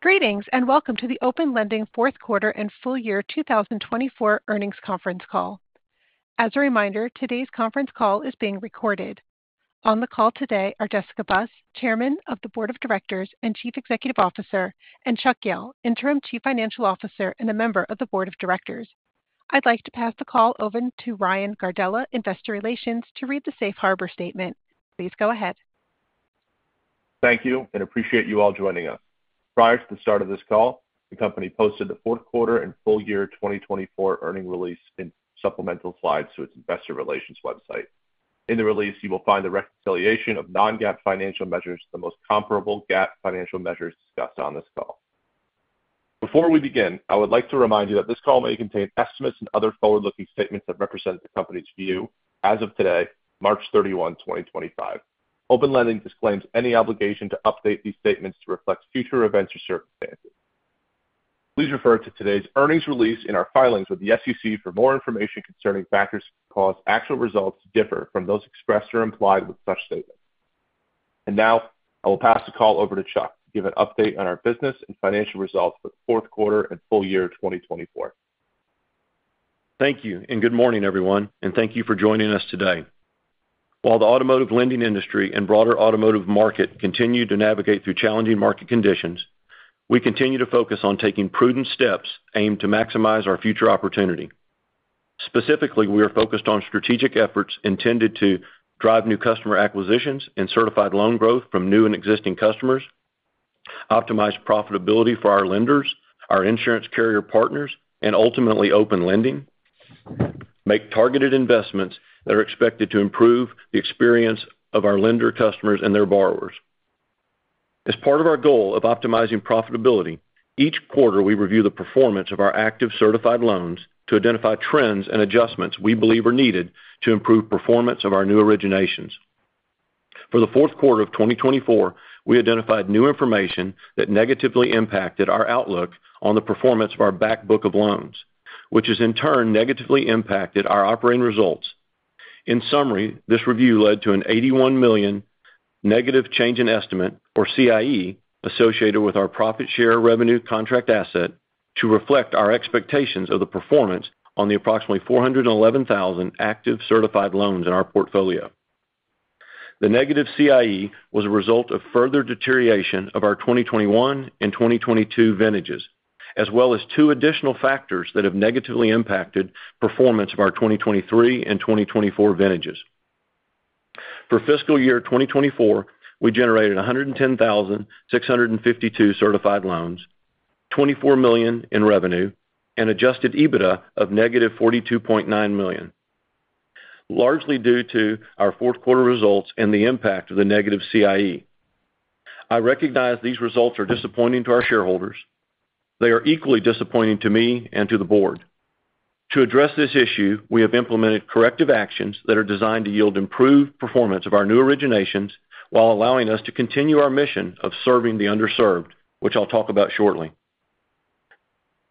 Greetings and welcome to the Open Lending fourth quarter and full year 2024 earnings conference call. As a reminder, today's conference call is being recorded. On the call today are Jessica Buss, Chairman of the Board of Directors and Chief Executive Officer, and Chuck Jehl, Interim Chief Financial Officer and a member of the Board of Directors. I'd like to pass the call over to Ryan Gardella, Investor Relations, to read the Safe Harbor statement. Please go ahead. Thank you and appreciate you all joining us. Prior to the start of this call, the company posted the fourth quarter and full year 2024 earnings release and supplemental slides to its Investor Relations website. In the release, you will find the reconciliation of non-GAAP financial measures to the most comparable GAAP financial measures discussed on this call. Before we begin, I would like to remind you that this call may contain estimates and other forward-looking statements that represent the company's view as of today, March 31, 2025. Open Lending disclaims any obligation to update these statements to reflect future events or circumstances. Please refer to today's earnings release and our filings with the SEC for more information concerning factors that cause actual results to differ from those expressed or implied with such statements. I will pass the call over to Chuck to give an update on our business and financial results for the fourth quarter and full year 2024. Thank you and good morning, everyone, and thank you for joining us today. While the automotive lending industry and broader automotive market continue to navigate through challenging market conditions, we continue to focus on taking prudent steps aimed to maximize our future opportunity. Specifically, we are focused on strategic efforts intended to drive new customer acquisitions and certified loan growth from new and existing customers, optimize profitability for our lenders, our insurance carrier partners, and ultimately Open Lending, make targeted investments that are expected to improve the experience of our lender customers and their borrowers. As part of our goal of optimizing profitability, each quarter we review the performance of our active certified loans to identify trends and adjustments we believe are needed to improve performance of our new originations. For the fourth quarter of 2024, we identified new information that negatively impacted our outlook on the performance of our back book of loans, which has in turn negatively impacted our operating results. In summary, this review led to an $81 million negative change in estimate, or CIE, associated with our profit share revenue contract asset to reflect our expectations of the performance on the approximately 411,000 active certified loans in our portfolio. The negative CIE was a result of further deterioration of our 2021 and 2022 vintages, as well as two additional factors that have negatively impacted performance of our 2023 and 2024 vintages. For fiscal year 2024, we generated 110,652 certified loans, $24 million in revenue, and adjusted EBITDA of $-42.9 million, largely due to our fourth quarter results and the impact of the negative CIE. I recognize these results are disappointing to our shareholders. They are equally disappointing to me and to the Board. To address this issue, we have implemented corrective actions that are designed to yield improved performance of our new originations while allowing us to continue our mission of serving the underserved, which I'll talk about shortly.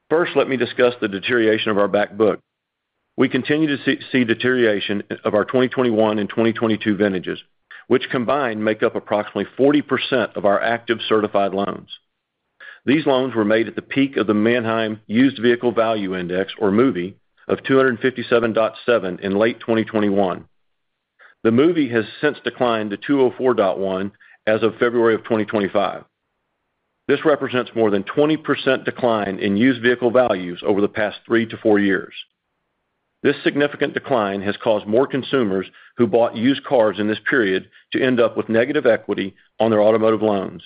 First, let me discuss the deterioration of our back book. We continue to see deterioration of our 2021 and 2022 vintages, which combined make up approximately 40% of our active certified loans. These loans were made at the peak of the Manheim Used Vehicle Value Index, or MUVVI, of 257.7 in late 2021. The MUVVI has since declined to 204.1 as of February of 2025. This represents more than 20% decline in used vehicle values over the past three to four years. This significant decline has caused more consumers who bought used cars in this period to end up with negative equity on their automotive loans,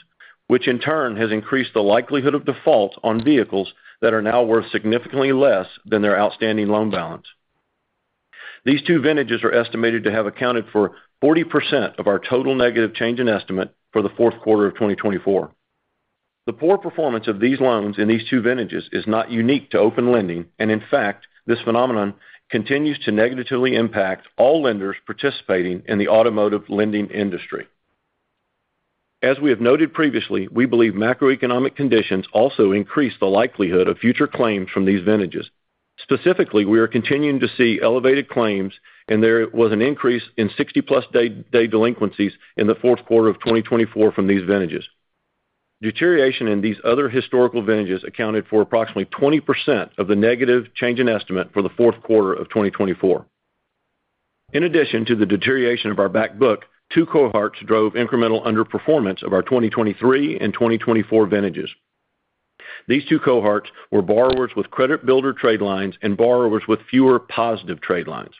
which in turn has increased the likelihood of default on vehicles that are now worth significantly less than their outstanding loan balance. These two vintages are estimated to have accounted for 40% of our total negative change in estimate for the fourth quarter of 2024. The poor performance of these loans in these two vintages is not unique to Open Lending, and in fact, this phenomenon continues to negatively impact all lenders participating in the automotive lending industry. As we have noted previously, we believe macroeconomic conditions also increase the likelihood of future claims from these vintages. Specifically, we are continuing to see elevated claims, and there was an increase in 60-plus-day delinquencies in the fourth quarter of 2024 from these vintages. Deterioration in these other historical vintages accounted for approximately 20% of the negative change in estimate for the fourth quarter of 2024. In addition to the deterioration of our back book, two cohorts drove incremental underperformance of our 2023 and 2024 vintages. These two cohorts were borrowers with credit builder trade lines and borrowers with fewer positive trade lines.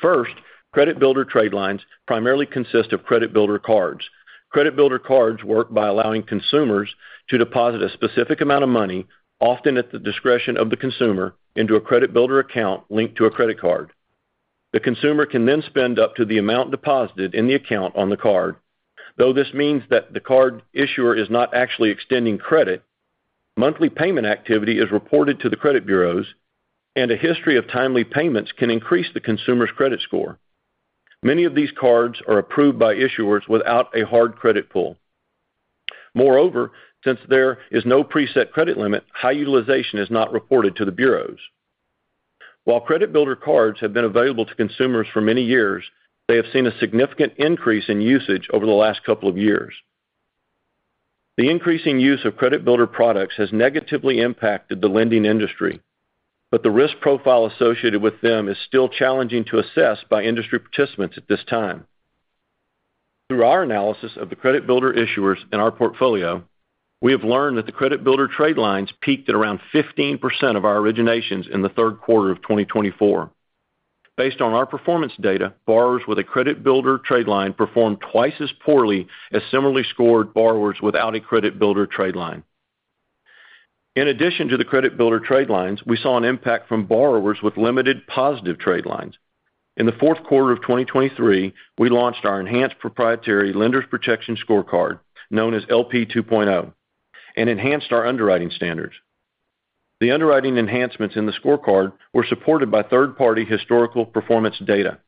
First, credit builder trade lines primarily consist of credit builder cards. Credit builder cards work by allowing consumers to deposit a specific amount of money, often at the discretion of the consumer, into a credit builder account linked to a credit card. The consumer can then spend up to the amount deposited in the account on the card. Though this means that the card issuer is not actually extending credit, monthly payment activity is reported to the credit bureaus, and a history of timely payments can increase the consumer's credit score. Many of these cards are approved by issuers without a hard credit pull. Moreover, since there is no preset credit limit, high utilization is not reported to the bureaus. While credit builder cards have been available to consumers for many years, they have seen a significant increase in usage over the last couple of years. The increasing use of credit builder products has negatively impacted the lending industry, but the risk profile associated with them is still challenging to assess by industry participants at this time. Through our analysis of the credit builder issuers in our portfolio, we have learned that the credit builder trade lines peaked at around 15% of our originations in the third quarter of 2024. Based on our performance data, borrowers with a credit builder trade line performed twice as poorly as similarly scored borrowers without a credit builder trade line. In addition to the credit builder trade lines, we saw an impact from borrowers with limited positive trade lines. In the fourth quarter of 2023, we launched our enhanced proprietary Lenders Protection scorecard, known as LP 2.0, and enhanced our underwriting standards. The underwriting enhancements in the scorecard were supported by third-party historical performance data.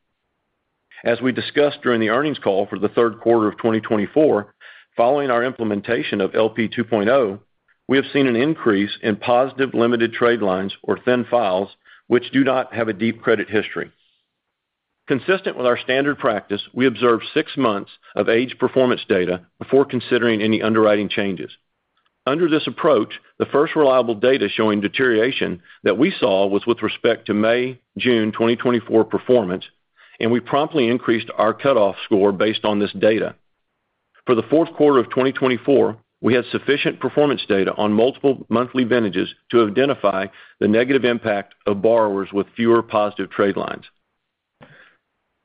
As we discussed during the earnings call for the third quarter of 2024, following our implementation of LP 2.0, we have seen an increase in positive limited trade lines, or thin files, which do not have a deep credit history. Consistent with our standard practice, we observed six months of aged performance data before considering any underwriting changes. Under this approach, the first reliable data showing deterioration that we saw was with respect to May, June 2024 performance, and we promptly increased our cutoff score based on this data. For the fourth quarter of 2024, we had sufficient performance data on multiple monthly vintages to identify the negative impact of borrowers with fewer positive trade lines.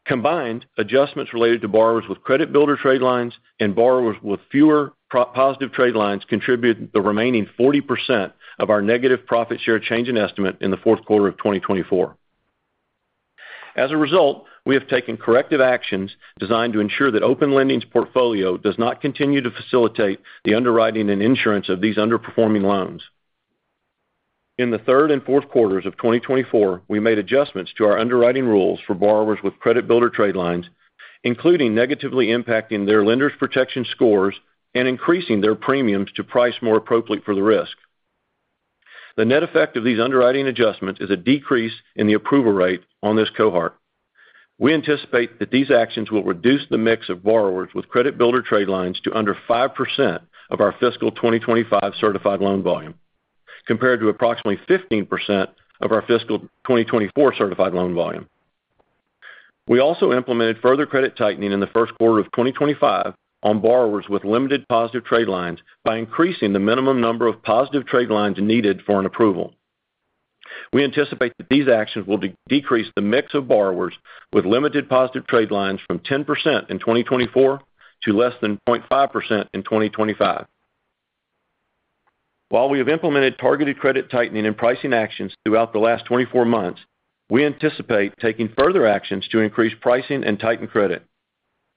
Combined, adjustments related to borrowers with credit builder trade lines and borrowers with fewer positive trade lines contributed the remaining 40% of our negative profit share change in estimate in the fourth quarter of 2024. As a result, we have taken corrective actions designed to ensure that Open Lending's portfolio does not continue to facilitate the underwriting and insurance of these underperforming loans. In the third and fourth quarters of 2024, we made adjustments to our underwriting rules for borrowers with credit builder trade lines, including negatively impacting their Lenders Protection scores and increasing their premiums to price more appropriately for the risk. The net effect of these underwriting adjustments is a decrease in the approval rate on this cohort. We anticipate that these actions will reduce the mix of borrowers with credit builder trade lines to under 5% of our fiscal 2025 certified loan volume, compared to approximately 15% of our fiscal 2024 certified loan volume. We also implemented further credit tightening in the first quarter of 2025 on borrowers with limited positive trade lines by increasing the minimum number of positive trade lines needed for an approval. We anticipate that these actions will decrease the mix of borrowers with limited positive trade lines from 10% in 2024 to less than 0.5% in 2025. While we have implemented targeted credit tightening and pricing actions throughout the last 24 months, we anticipate taking further actions to increase pricing and tighten credit.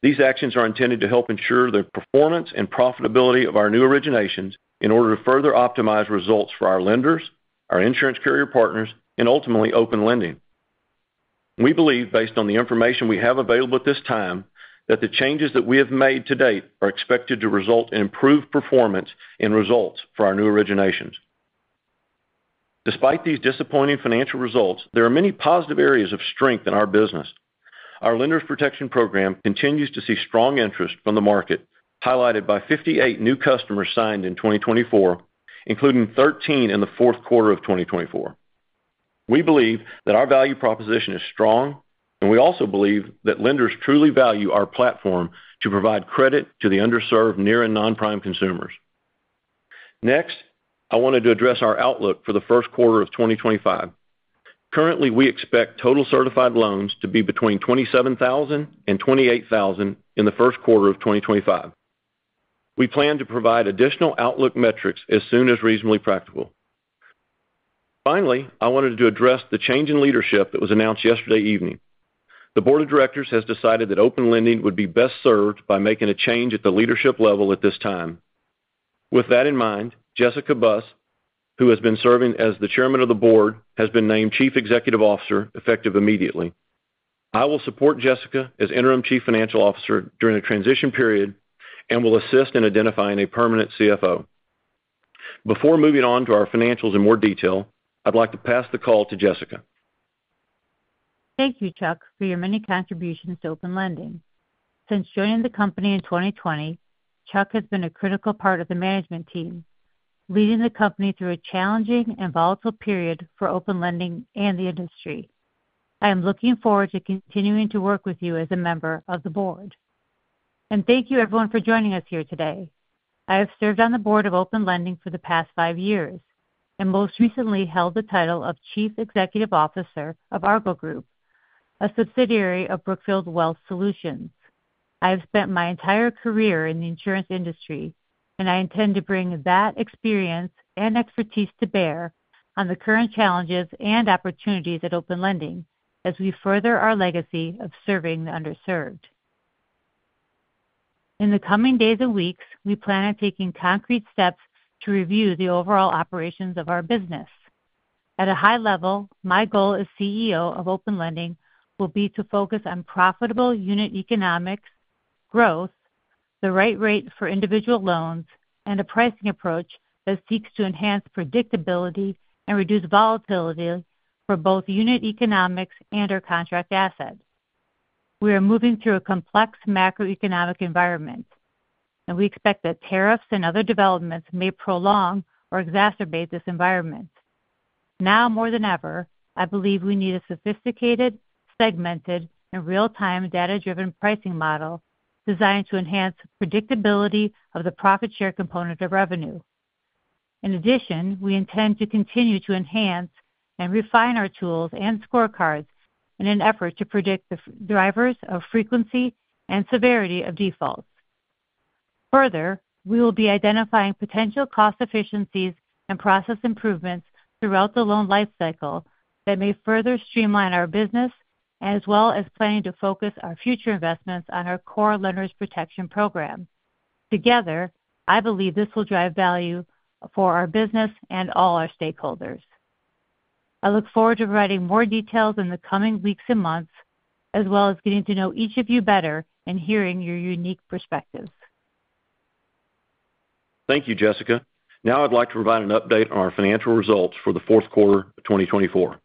These actions are intended to help ensure the performance and profitability of our new originations in order to further optimize results for our lenders, our insurance carrier partners, and ultimately Open Lending. We believe, based on the information we have available at this time, that the changes that we have made to date are expected to result in improved performance and results for our new originations. Despite these disappointing financial results, there are many positive areas of strength in our business. Our Lenders Protection program continues to see strong interest from the market, highlighted by 58 new customers signed in 2024, including 13 in the fourth quarter of 2024. We believe that our value proposition is strong, and we also believe that lenders truly value our platform to provide credit to the underserved near and non-prime consumers. Next, I wanted to address our outlook for the first quarter of 2025. Currently, we expect total certified loans to be between 27,000 and 28,000 in the first quarter of 2025. We plan to provide additional outlook metrics as soon as reasonably practical. Finally, I wanted to address the change in leadership that was announced yesterday evening. The Board of Directors has decided that Open Lending would be best served by making a change at the leadership level at this time. With that in mind, Jessica Buss, who has been serving as the Chairman of the Board, has been named Chief Executive Officer effective immediately. I will support Jessica as Interim Chief Financial Officer during the transition period and will assist in identifying a permanent CFO. Before moving on to our financials in more detail, I'd like to pass the call to Jessica. Thank you, Chuck, for your many contributions to Open Lending. Since joining the company in 2020, Chuck has been a critical part of the management team, leading the company through a challenging and volatile period for Open Lending and the industry. I am looking forward to continuing to work with you as a member of the Board. Thank you, everyone, for joining us here today. I have served on the Board of Open Lending for the past five years and most recently held the title of Chief Executive Officer of Argo Group, a subsidiary of Brookfield Wealth Solutions. I have spent my entire career in the insurance industry, and I intend to bring that experience and expertise to bear on the current challenges and opportunities at Open Lending as we further our legacy of serving the underserved. In the coming days and weeks, we plan on taking concrete steps to review the overall operations of our business. At a high level, my goal as CEO of Open Lending will be to focus on profitable unit economics, growth, the right rate for individual loans, and a pricing approach that seeks to enhance predictability and reduce volatility for both unit economics and our contract assets. We are moving through a complex macroeconomic environment, and we expect that tariffs and other developments may prolong or exacerbate this environment. Now more than ever, I believe we need a sophisticated, segmented, and real-time data-driven pricing model designed to enhance predictability of the profit share component of revenue. In addition, we intend to continue to enhance and refine our tools and scorecards in an effort to predict the drivers of frequency and severity of defaults. Further, we will be identifying potential cost efficiencies and process improvements throughout the loan lifecycle that may further streamline our business, as well as planning to focus our future investments on our core Lenders Protection program. Together, I believe this will drive value for our business and all our stakeholders. I look forward to providing more details in the coming weeks and months, as well as getting to know each of you better and hearing your unique perspectives. Thank you, Jessica. Now I'd like to provide an update on our financial results for the fourth quarter of 2024.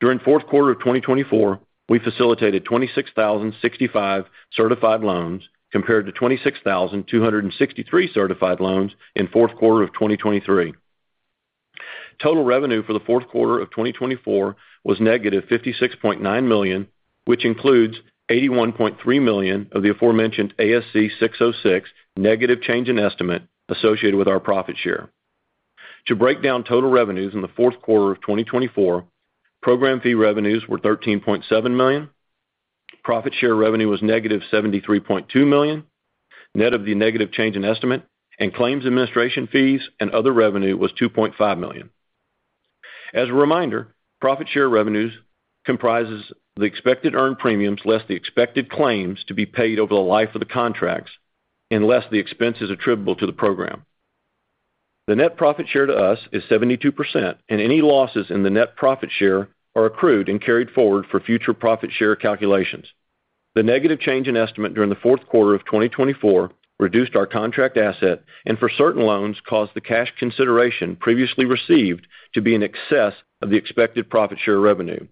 During the fourth quarter of 2024, we facilitated 26,065 certified loans compared to 26,263 certified loans in the fourth quarter of 2023. Total revenue for the fourth quarter of 2024 was $-56.9 million, which includes $81.3 million of the aforementioned ASC 606 negative change in estimate associated with our profit share. To break down total revenues in the fourth quarter of 2024, program fee revenues were $13.7 million, profit share revenue was $-73.2 million, net of the negative change in estimate, and claims administration fees and other revenue was $2.5 million. As a reminder, profit share revenues comprise the expected earned premiums less the expected claims to be paid over the life of the contracts unless the expense is attributable to the program. The net profit share to us is 72%, and any losses in the net profit share are accrued and carried forward for future profit share calculations. The negative change in estimate during the fourth quarter of 2024 reduced our contract asset and for certain loans caused the cash consideration previously received to be in excess of the expected profit share revenue.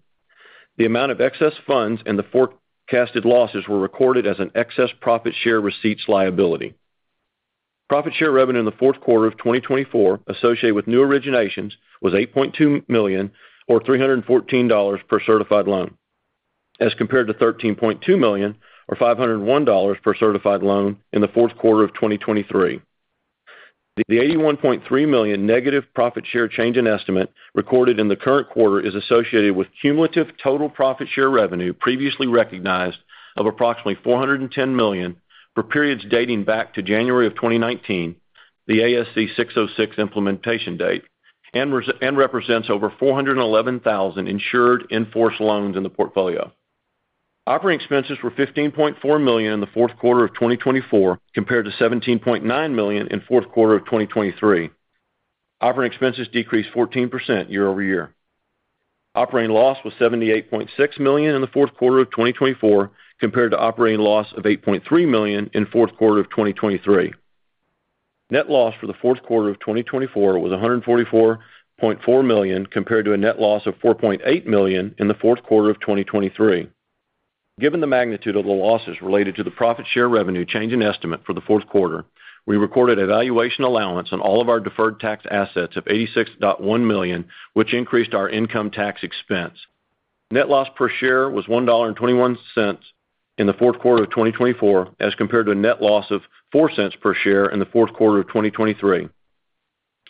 The amount of excess funds and the forecasted losses were recorded as an excess profit share receipts liability. Profit share revenue in the fourth quarter of 2024 associated with new originations was $8.2 million, or $314 per certified loan, as compared to $13.2 million, or $501 per certified loan in the fourth quarter of 2023. The $81.3 million negative profit share change in estimate recorded in the current quarter is associated with cumulative total profit share revenue previously recognized of approximately $410 million for periods dating back to January of 2019, the ASC 606 implementation date, and represents over 411,000 insured enforced loans in the portfolio. Operating expenses were $15.4 million in the fourth quarter of 2024 compared to $17.9 million in the fourth quarter of 2023. Operating expenses decreased 14% year-over-year. Operating loss was $78.6 million in the fourth quarter of 2024 compared to operating loss of $8.3 million in the fourth quarter of 2023. Net loss for the fourth quarter of 2024 was $144.4 million compared to a net loss of $4.8 million in the fourth quarter of 2023. Given the magnitude of the losses related to the profit share revenue change in estimate for the fourth quarter, we recorded a valuation allowance on all of our deferred tax assets of $86.1 million, which increased our income tax expense. Net loss per share was $1.21 in the fourth quarter of 2024 as compared to a net loss of $0.04 per share in the fourth quarter of 2023.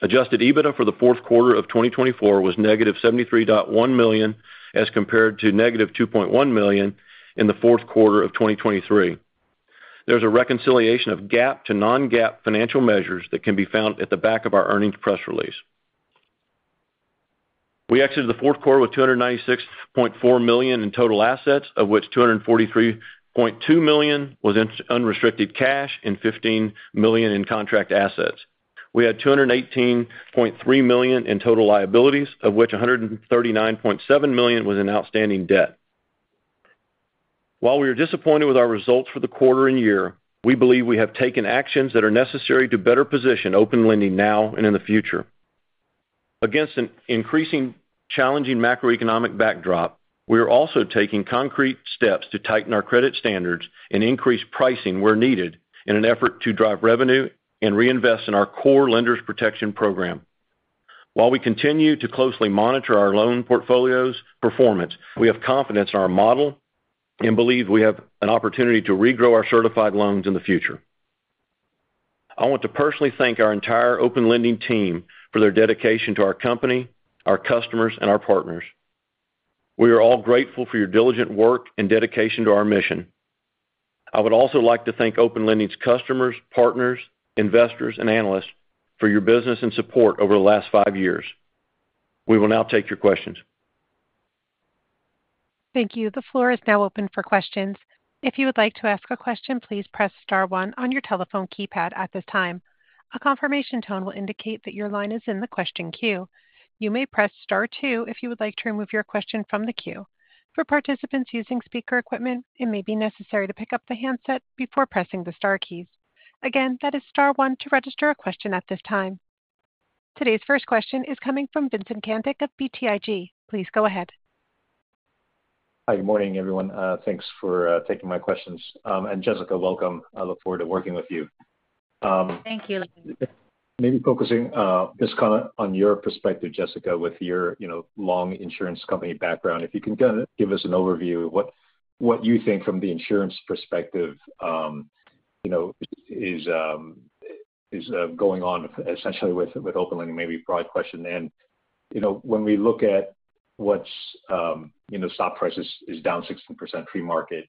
Adjusted EBITDA for the fourth quarter of 2024 was $-73.1 million as compared to $-2.1 million in the fourth quarter of 2023. There is a reconciliation of GAAP to non-GAAP financial measures that can be found at the back of our earnings press release. We exited the fourth quarter with $296.4 million in total assets, of which $243.2 million was unrestricted cash and $15 million in contract assets. We had $218.3 million in total liabilities, of which $139.7 million was in outstanding debt. While we are disappointed with our results for the quarter and year, we believe we have taken actions that are necessary to better position Open Lending now and in the future. Against an increasingly challenging macroeconomic backdrop, we are also taking concrete steps to tighten our credit standards and increase pricing where needed in an effort to drive revenue and reinvest in our core Lenders Protection program. While we continue to closely monitor our loan portfolio's performance, we have confidence in our model and believe we have an opportunity to regrow our certified loans in the future. I want to personally thank our entire Open Lending team for their dedication to our company, our customers, and our partners. We are all grateful for your diligent work and dedication to our mission. I would also like to thank Open Lending's customers, partners, investors, and analysts for your business and support over the last five years. We will now take your questions. Thank you. The floor is now open for questions. If you would like to ask a question, please press star one on your telephone keypad at this time. A confirmation tone will indicate that your line is in the question queue. You may press star two if you would like to remove your question from the queue. For participants using speaker equipment, it may be necessary to pick up the handset before pressing the star keys. Again, that is star one to register a question at this time. Today's first question is coming from Vincent Caintic of BTIG. Please go ahead. Hi, good morning, everyone. Thanks for taking my questions. Jessica, welcome. I look forward to working with you. Thank you. Maybe focusing this comment on your perspective, Jessica, with your long insurance company background, if you can give us an overview of what you think from the insurance perspective is going on essentially with Open Lending, maybe broad question. When we look at what's stock price is down 16% pre-market,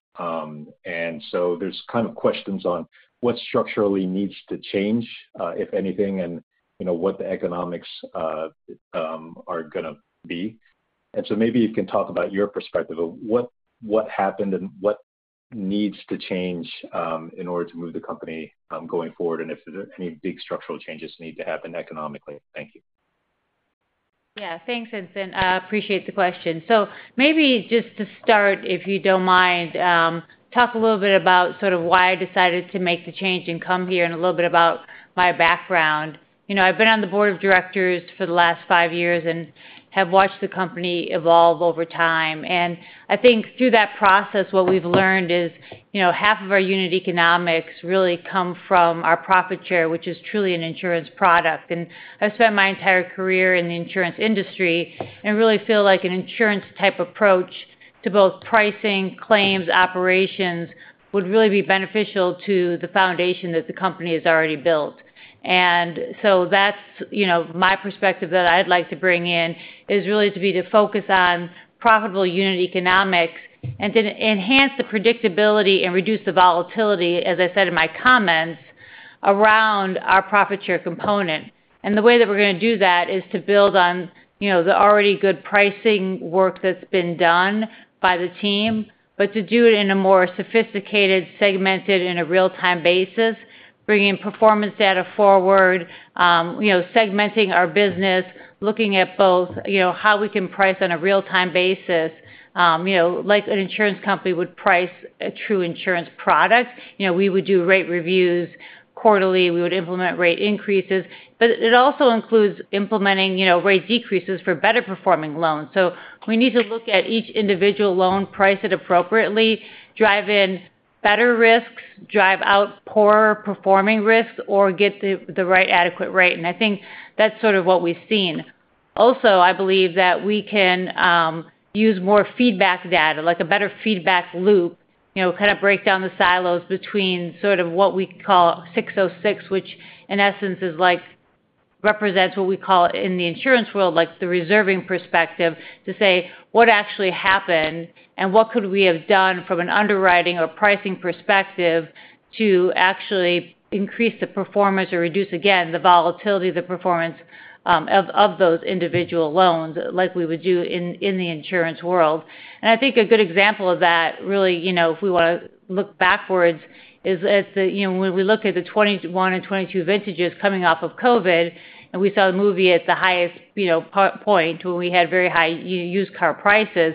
there's kind of questions on what structurally needs to change, if anything, and what the economics are going to be. Maybe you can talk about your perspective of what happened and what needs to change in order to move the company going forward and if there are any big structural changes need to happen economically. Thank you. Yeah, thanks, Vincent. I appreciate the question. Maybe just to start, if you do not mind, talk a little bit about sort of why I decided to make the change and come here and a little bit about my background. I have been on the Board of Directors for the last five years and have watched the company evolve over time. I think through that process, what we have learned is half of our unit economics really come from our profit share, which is truly an insurance product. I have spent my entire career in the insurance industry and really feel like an insurance-type approach to both pricing, claims, operations would really be beneficial to the foundation that the company has already built. That is my perspective that I'd like to bring in, is really to focus on profitable unit economics and to enhance the predictability and reduce the volatility, as I said in my comments, around our profit share component. The way that we're going to do that is to build on the already good pricing work that's been done by the team, but to do it in a more sophisticated, segmented, in a real-time basis, bringing performance data forward, segmenting our business, looking at both how we can price on a real-time basis, like an insurance company would price a true insurance product. We would do rate reviews quarterly. We would implement rate increases, but it also includes implementing rate decreases for better-performing loans. We need to look at each individual loan, price it appropriately, drive in better risks, drive out poorer-performing risks, or get the right adequate rate. I think that's sort of what we've seen. Also, I believe that we can use more feedback data, like a better feedback loop, kind of break down the silos between sort of what we call 606, which in essence is like represents what we call in the insurance world, like the reserving perspective, to say what actually happened and what could we have done from an underwriting or pricing perspective to actually increase the performance or reduce, again, the volatility, the performance of those individual loans like we would do in the insurance world. I think a good example of that, really, if we want to look backwards, is when we look at the 2021 and 2022 vintages coming off of COVID, and we saw the MUVVI at the highest point when we had very high used car prices.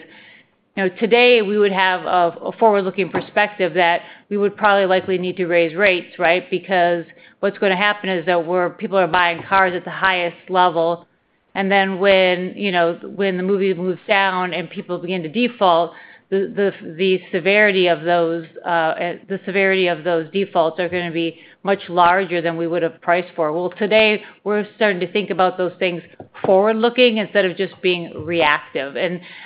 Today, we would have a forward-looking perspective that we would probably likely need to raise rates, right? Because what's going to happen is that people are buying cars at the highest level. When the MUVVI moves down and people begin to default, the severity of those defaults is going to be much larger than we would have priced for. Today, we are starting to think about those things forward-looking instead of just being reactive.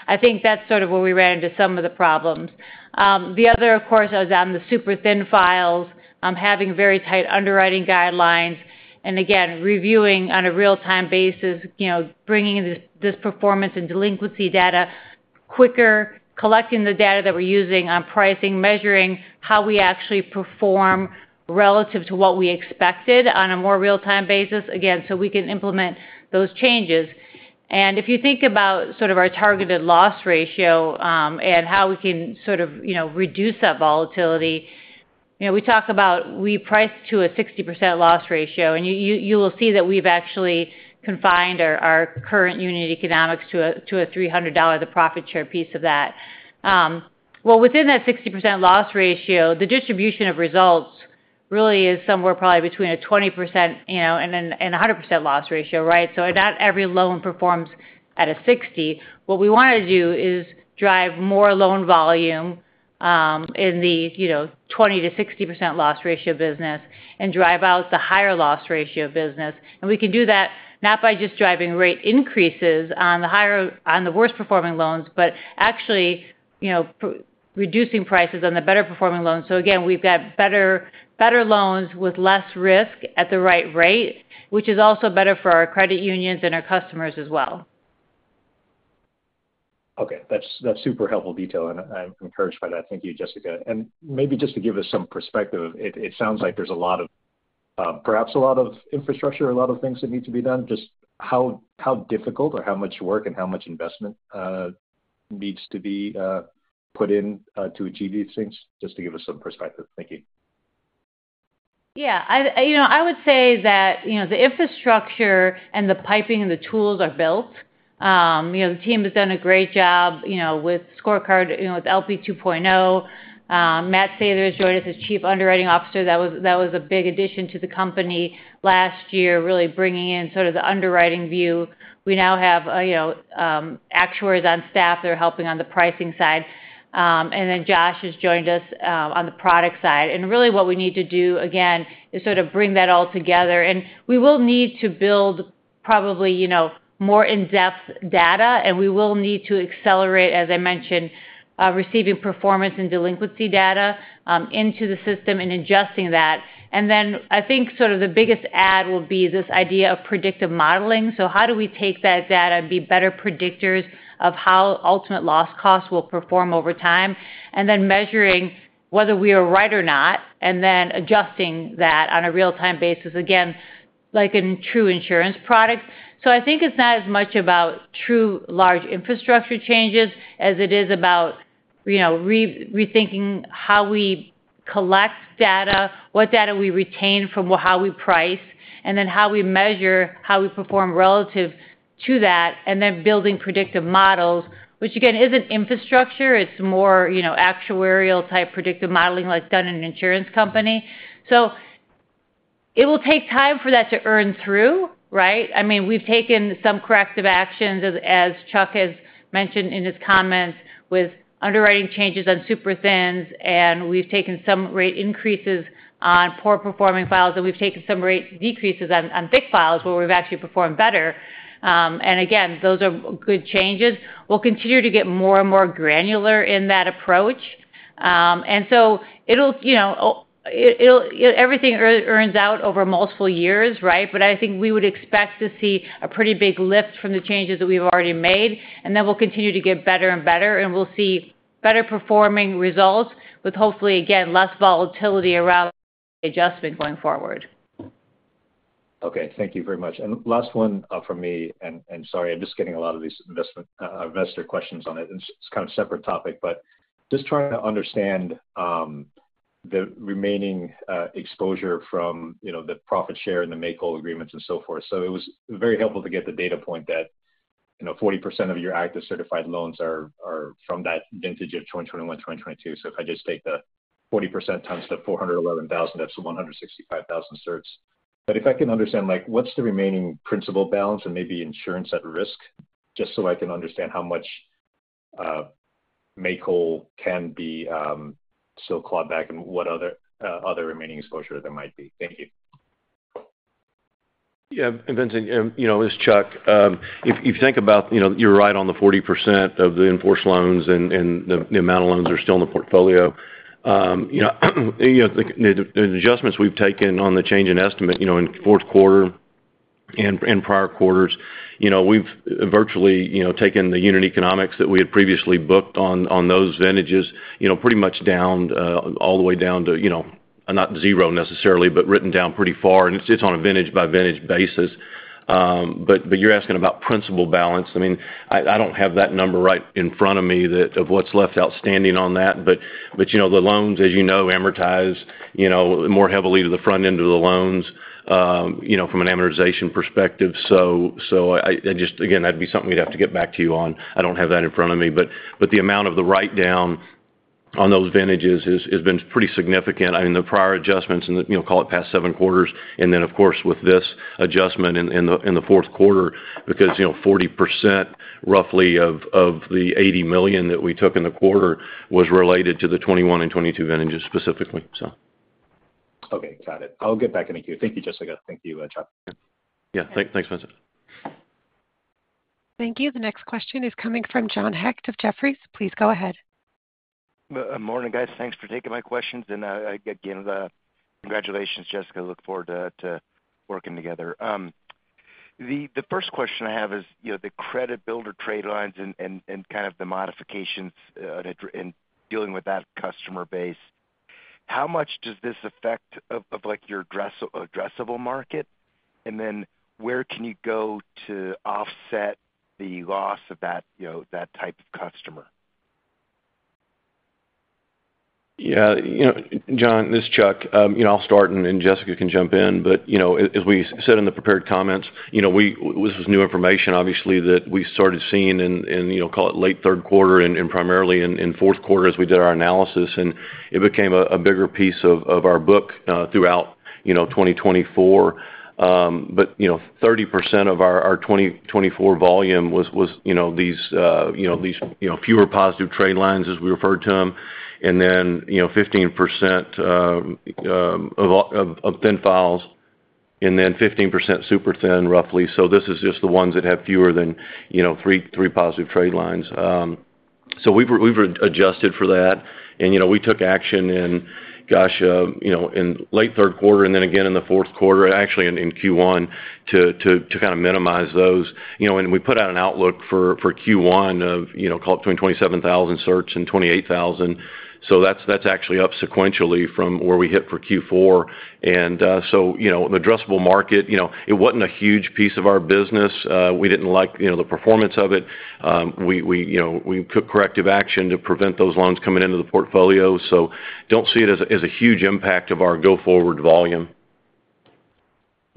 I think that's sort of where we ran into some of the problems. The other, of course, I was on the super thin files, having very tight underwriting guidelines, and again, reviewing on a real-time basis, bringing this performance and delinquency data quicker, collecting the data that we're using on pricing, measuring how we actually perform relative to what we expected on a more real-time basis, again, so we can implement those changes. If you think about sort of our targeted loss ratio and how we can sort of reduce that volatility, we talk about we priced to a 60% loss ratio, and you will see that we've actually confined our current unit economics to a $300, the profit share piece of that. Within that 60% loss ratio, the distribution of results really is somewhere probably between a 20% and a 100% loss ratio, right? Not every loan performs at a 60. What we want to do is drive more loan volume in the 20%-60% loss ratio business and drive out the higher loss ratio business. We can do that not by just driving rate increases on the worst-performing loans, but actually reducing prices on the better-performing loans. Again, we've got better loans with less risk at the right rate, which is also better for our credit unions and our customers as well. Okay. That's super helpful detail, and I'm encouraged by that. Thank you, Jessica. Maybe just to give us some perspective, it sounds like there's a lot of, perhaps, a lot of infrastructure, a lot of things that need to be done. Just how difficult or how much work and how much investment needs to be put in to achieve these things? Just to give us some perspective. Thank you. Yeah. I would say that the infrastructure and the piping and the tools are built. The team has done a great job with scorecard with LP 2.0. Matt Sather, he's joined us as Chief Underwriting Officer. That was a big addition to the company last year, really bringing in sort of the underwriting view. We now have actuaries on staff that are helping on the pricing side. Josh has joined us on the product side. Really what we need to do, again, is sort of bring that all together. We will need to build probably more in-depth data, and we will need to accelerate, as I mentioned, receiving performance and delinquency data into the system and adjusting that. I think sort of the biggest add will be this idea of predictive modeling. How do we take that data and be better predictors of how ultimate loss costs will perform over time? And then measuring whether we are right or not, and then adjusting that on a real-time basis, again, like in true insurance products. I think it's not as much about true large infrastructure changes as it is about rethinking how we collect data, what data we retain from how we price, and then how we measure how we perform relative to that, and then building predictive models, which again isn't infrastructure. It's more actuarial-type predictive modeling like done in an insurance company. It will take time for that to earn through, right? I mean, we've taken some corrective actions, as Chuck has mentioned in his comments, with underwriting changes on super thins, and we've taken some rate increases on poor-performing files, and we've taken some rate decreases on thick files where we've actually performed better. Those are good changes. We'll continue to get more and more granular in that approach. Everything earns out over multiple years, right? I think we would expect to see a pretty big lift from the changes that we've already made, and then we'll continue to get better and better, and we'll see better-performing results with hopefully, again, less volatility around adjustment going forward. Okay. Thank you very much. Last one from me, and sorry, I'm just getting a lot of these investor questions on it. It's kind of a separate topic, but just trying to understand the remaining exposure from the profit share and the make-whole agreements and so forth. It was very helpful to get the data point that 40% of your active certified loans are from that vintage of 2021, 2022. If I just take the 40% times the 411,000, that's 165,000 certs. If I can understand what's the remaining principal balance and maybe insurance at risk, just so I can understand how much make-whole can be still clawed back and what other remaining exposure there might be. Thank you. Yeah. Vincent, as Chuck, if you think about it, you're right on the 40% of the enforced loans and the amount of loans are still in the portfolio. The adjustments we've taken on the change in estimate in fourth quarter and prior quarters, we've virtually taken the unit economics that we had previously booked on those vintages pretty much down all the way down to not zero necessarily, but written down pretty far. It is on a vintage-by-vintage basis. You're asking about principal balance. I mean, I don't have that number right in front of me of what's left outstanding on that. The loans, as you know, amortize more heavily to the front end of the loans from an amortization perspective. That would be something we'd have to get back to you on. I don't have that in front of me. The amount of the write-down on those vintages has been pretty significant. I mean, the prior adjustments and call it past seven quarters. Of course, with this adjustment in the fourth quarter, because 40% roughly of the $80 million that we took in the quarter was related to the 2021 and 2022 vintages specifically. Okay. Got it. I'll get back in and thank you. Thank you, Jessica. Thank you, Chuck. Yeah. Thanks, Vincent. Thank you. The next question is coming from John Hecht of Jefferies. Please go ahead. Morning, guys. Thanks for taking my questions. Again, congratulations, Jessica. Look forward to working together. The first question I have is the credit builder trade lines and kind of the modifications in dealing with that customer base. How much does this affect your addressable market? Where can you go to offset the loss of that type of customer? Yeah. John, this is Chuck. I'll start and Jessica can jump in. As we said in the prepared comments, this was new information, obviously, that we started seeing in, call it, late third quarter and primarily in fourth quarter as we did our analysis. It became a bigger piece of our book throughout 2024. 30% of our 2024 volume was these fewer positive trade lines, as we referred to them. 15% of thin files, and 15% super thin, roughly. This is just the ones that have fewer than three positive trade lines. We've adjusted for that. We took action in, gosh, in late third quarter and then again in the fourth quarter, actually in Q1, to kind of minimize those. We put out an outlook for Q1 of, call it, between 27,000 certs and 28,000. That is actually up sequentially from where we hit for Q4. The addressable market, it was not a huge piece of our business. We did not like the performance of it. We took corrective action to prevent those loans coming into the portfolio. Do not see it as a huge impact of our go-forward volume.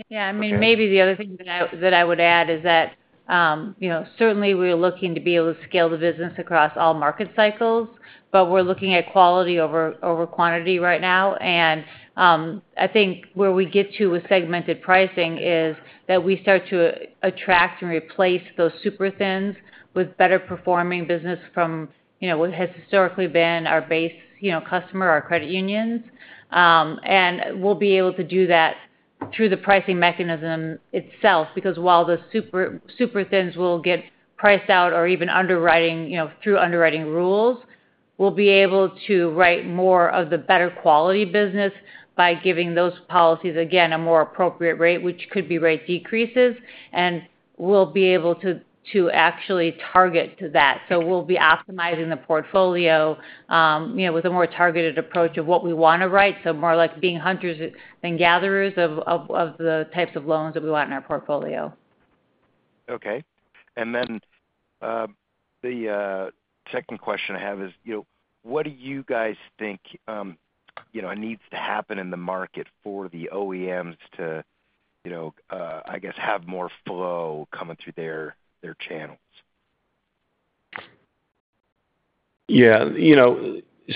Yeah. I mean, maybe the other thing that I would add is that certainly we are looking to be able to scale the business across all market cycles, but we're looking at quality over quantity right now. I think where we get to with segmented pricing is that we start to attract and replace those super thins with better-performing business from what has historically been our base customer, our credit unions. We'll be able to do that through the pricing mechanism itself because while the super thins will get priced out or even through underwriting rules, we'll be able to write more of the better-quality business by giving those policies, again, a more appropriate rate, which could be rate decreases. We'll be able to actually target to that. We will be optimizing the portfolio with a more targeted approach of what we want to write. More like being hunters than gatherers of the types of loans that we want in our portfolio. Okay. The second question I have is, what do you guys think needs to happen in the market for the OEMs to, I guess, have more flow coming through their channels? Yeah.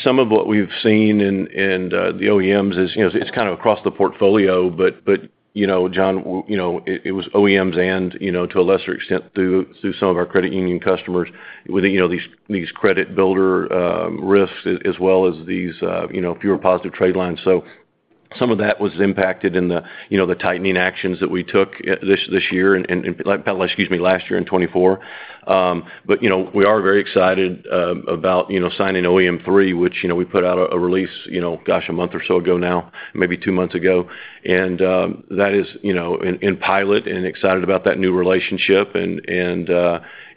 Some of what we've seen in the OEMs is it's kind of across the portfolio. John, it was OEMs and, to a lesser extent, through some of our credit union customers with these credit builder risks as well as these fewer positive trade lines. Some of that was impacted in the tightening actions that we took this year and, excuse me, last year in 2024. We are very excited about signing OEM three, which we put out a release, gosh, a month or so ago now, maybe two months ago. That is in pilot and excited about that new relationship. It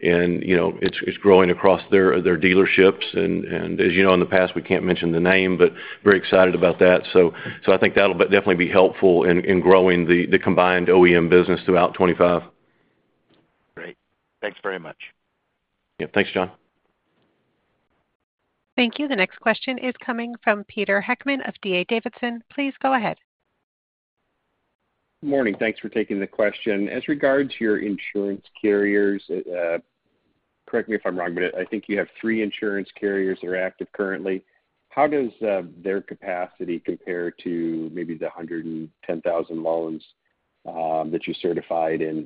is growing across their dealerships. As you know, in the past, we can't mention the name, but very excited about that. I think that'll definitely be helpful in growing the combined OEM business throughout 2025. Great. Thanks very much. Yeah. Thanks, John. Thank you. The next question is coming from Pete Heckmann of D.A. Davidson. Please go ahead. Morning. Thanks for taking the question. As regards to your insurance carriers, correct me if I'm wrong, but I think you have three insurance carriers that are active currently. How does their capacity compare to maybe the 110,000 loans that you certified in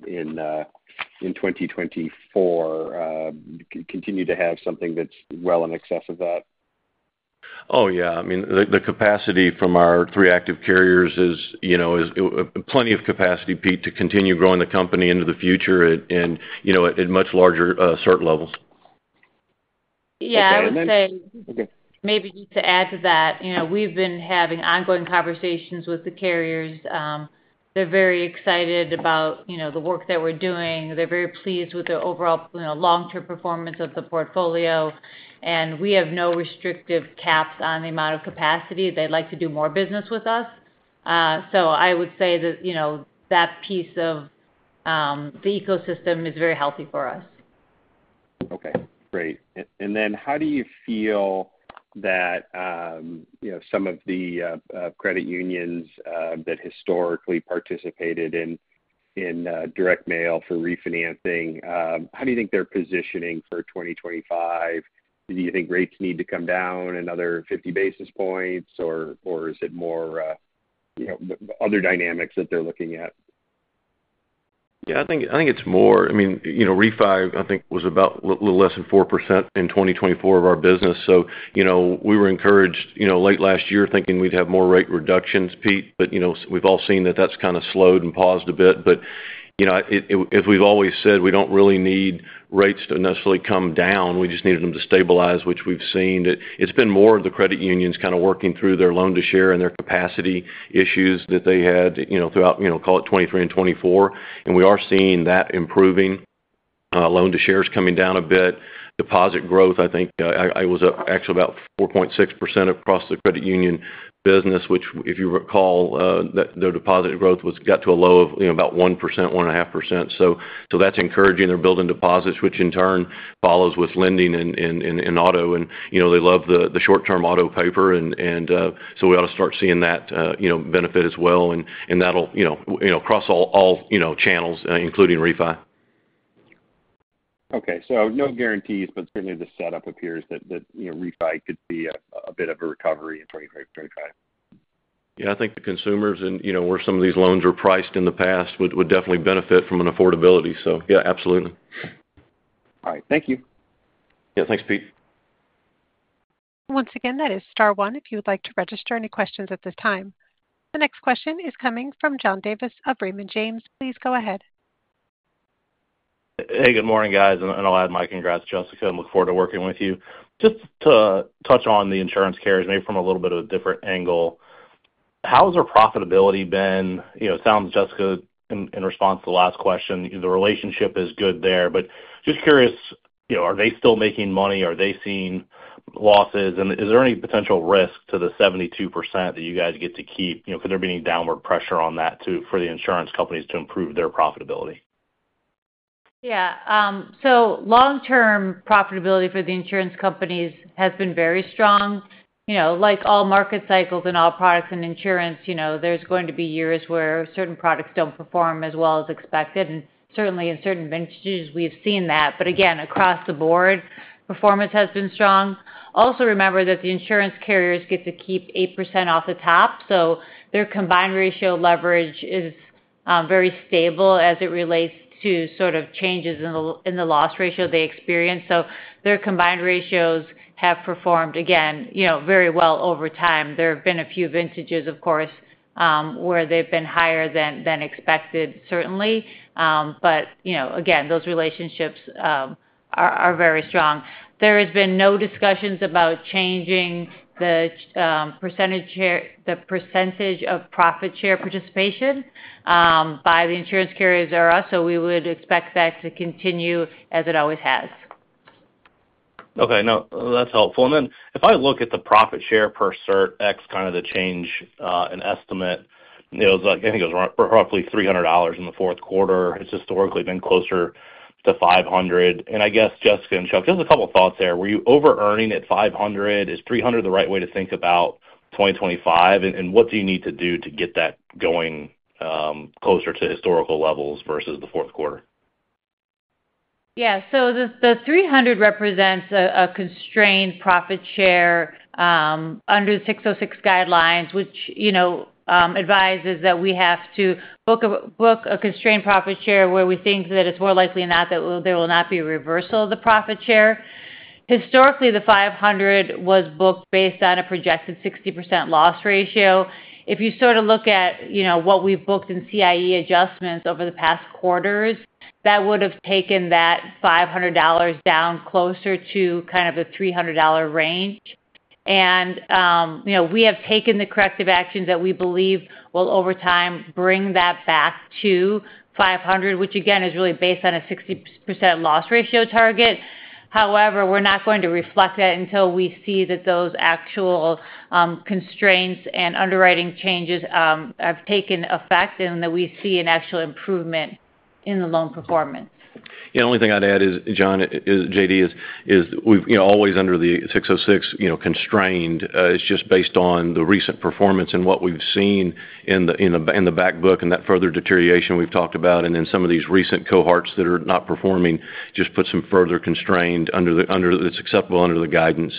2024? Continue to have something that's well in excess of that? Oh, yeah. I mean, the capacity from our three active carriers is plenty of capacity, Pete, to continue growing the company into the future and at much larger cert levels. Yeah. Maybe to add to that, we've been having ongoing conversations with the carriers. They're very excited about the work that we're doing. They're very pleased with the overall long-term performance of the portfolio. We have no restrictive caps on the amount of capacity. They'd like to do more business with us. I would say that that piece of the ecosystem is very healthy for us. Okay. Great. How do you feel that some of the credit unions that historically participated in direct mail for refinancing, how do you think they're positioning for 2025? Do you think rates need to come down another 50 basis points, or is it more other dynamics that they're looking at? Yeah. I think it's more, I mean, refi, I think, was about a little less than 4% in 2024 of our business. We were encouraged late last year thinking we'd have more rate reductions, Pete, but we've all seen that that's kind of slowed and paused a bit. As we've always said, we don't really need rates to necessarily come down. We just needed them to stabilize, which we've seen. It's been more of the credit unions kind of working through their loan-to-share and their capacity issues that they had throughout, call it, 2023 and 2024. We are seeing that improving. Loan-to-share is coming down a bit. Deposit growth, I think, was actually about 4.6% across the credit union business, which, if you recall, their deposit growth got to a low of about 1%-1.5%. That's encouraging. They're building deposits, which in turn follows with lending and auto. They love the short-term auto paper. We ought to start seeing that benefit as well. That'll cross all channels, including refi. Okay. No guarantees, but certainly the setup appears that refi could be a bit of a recovery in 2023-2025. Yeah. I think the consumers and where some of these loans were priced in the past would definitely benefit from an affordability. Yeah, absolutely. All right. Thank you. Yeah. Thanks, Pete. Once again, that is star one if you would like to register any questions at this time. The next question is coming from John Davis of Raymond James. Please go ahead. Hey, good morning, guys. I'll add my congrats, Jessica. I look forward to working with you. Just to touch on the insurance carriers, maybe from a little bit of a different angle, how has their profitability been? It sounds, Jessica, in response to the last question, the relationship is good there. Just curious, are they still making money? Are they seeing losses? Is there any potential risk to the 72% that you guys get to keep? Could there be any downward pressure on that too for the insurance companies to improve their profitability? Yeah. Long-term profitability for the insurance companies has been very strong. Like all market cycles and all products in insurance, there's going to be years where certain products don't perform as well as expected. Certainly in certain vintages, we've seen that. Again, across the Board, performance has been strong. Also, remember that the insurance carriers get to keep 8% off the top. Their combined ratio leverage is very stable as it relates to sort of changes in the loss ratio they experience. Their combined ratios have performed, again, very well over time. There have been a few vintages, of course, where they've been higher than expected, certainly. Again, those relationships are very strong. There has been no discussions about changing the percentage of profit share participation by the insurance carriers or us. We would expect that to continue as it always has. Okay. No, that's helpful. If I look at the profit share per cert, X, kind of the change in estimate, I think it was roughly $300 in the fourth quarter. It's historically been closer to $500. I guess, Jessica and Chuck, just a couple of thoughts there. Were you over-earning at $500? Is $300 the right way to think about 2025? What do you need to do to get that going closer to historical levels versus the fourth quarter? Yeah. The 300 represents a constrained profit share under the 606 guidelines, which advises that we have to book a constrained profit share where we think that it's more likely than not that there will not be a reversal of the profit share. Historically, the 500 was booked based on a projected 60% loss ratio. If you sort of look at what we've booked in CIE adjustments over the past quarters, that would have taken that $500 down closer to kind of the $300 range. We have taken the corrective actions that we believe will, over time, bring that back to 500, which, again, is really based on a 60% loss ratio target. However, we're not going to reflect that until we see that those actual constraints and underwriting changes have taken effect and that we see an actual improvement in the loan performance. Yeah. The only thing I'd add, John, JD, is always under the 606 constraint. It's just based on the recent performance and what we've seen in the back book and that further deterioration we've talked about. Some of these recent cohorts that are not performing just put some further constraint under that's acceptable under the guidance.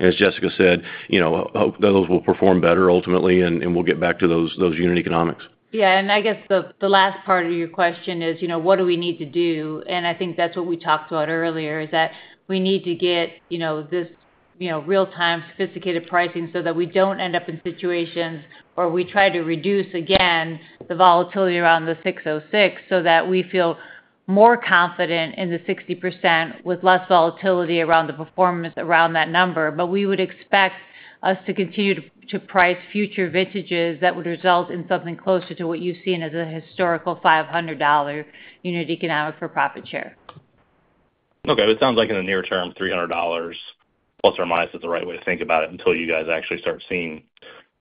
As Jessica said, those will perform better ultimately, and we'll get back to those unit economics. Yeah. I guess the last part of your question is, what do we need to do? I think that's what we talked about earlier, is that we need to get this real-time sophisticated pricing so that we don't end up in situations where we try to reduce, again, the volatility around the 606 so that we feel more confident in the 60% with less volatility around the performance around that number. We would expect us to continue to price future vintages that would result in something closer to what you've seen as a historical $500 unit economic for profit share. Okay. It sounds like in the near term, $300± is the right way to think about it until you guys actually start seeing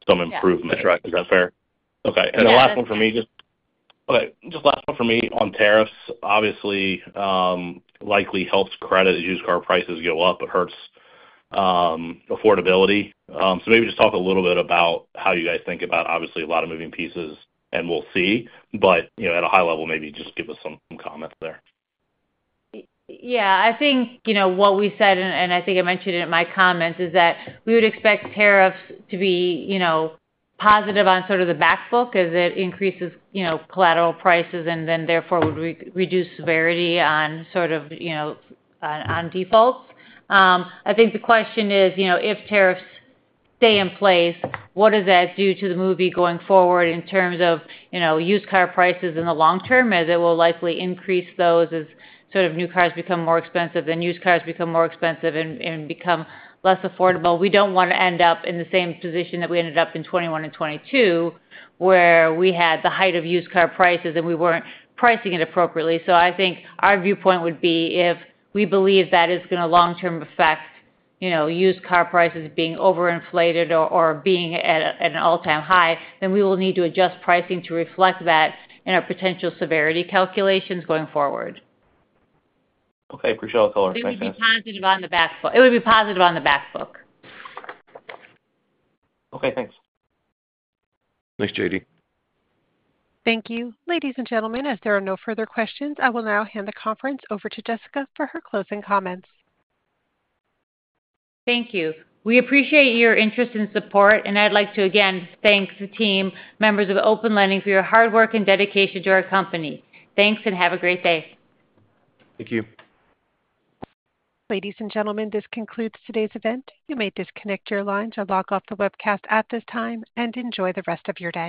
some improvement. Is that fair? Okay. The last one for me, just last one for me on tariffs. Obviously, likely helps credit and used car prices go up. It hurts affordability. Maybe just talk a little bit about how you guys think about, obviously, a lot of moving pieces, and we'll see. At a high level, maybe just give us some comments there. Yeah. I think what we said, and I think I mentioned it in my comments, is that we would expect tariffs to be positive on sort of the back book as it increases collateral prices and then, therefore, would reduce severity on sort of on defaults. I think the question is, if tariffs stay in place, what does that do to the MUVVI going forward in terms of used car prices in the long term? As it will likely increase those as sort of new cars become more expensive and used cars become more expensive and become less affordable. We do not want to end up in the same position that we ended up in 2021 and 2022 where we had the height of used car prices and we were not pricing it appropriately. I think our viewpoint would be if we believe that is going to long-term affect used car prices being overinflated or being at an all-time high, then we will need to adjust pricing to reflect that in our potential severity calculations going forward. Okay. Appreciate all the color. Thanks, guys. It would be positive on the back book. Okay. Thanks. Thanks, JD. Thank you. Ladies and gentlemen, if there are no further questions, I will now hand the conference over to Jessica for her closing comments. Thank you. We appreciate your interest and support. I would like to, again, thank the team, members of Open Lending, for your hard work and dedication to our company. Thanks and have a great day. Thank you. Ladies and gentlemen, this concludes today's event. You may disconnect your lines or log off the webcast at this time and enjoy the rest of your day.